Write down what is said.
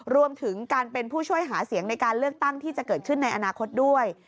รวมถึงการเป็นผู้ช่วยหาเสียงในการเลือกตั้งที่จะเกิดขึ้นในอนาคตด้วย